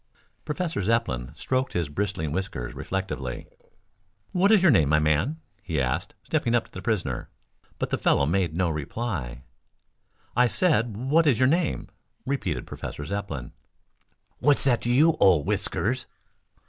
Professor Zepplin stroked his bristling whiskers reflectively. "What is your name, my man?" he asked stepping up to the prisoner. But the fellow made no reply. "I said what is your name?" repeated Professor Zepplin. "What's that to you, old Whiskers?"